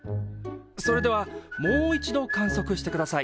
それではもう一度観測してください。